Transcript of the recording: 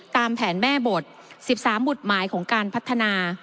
ตามแผนแม่บท๑๓บุตรหมายของการพัฒนา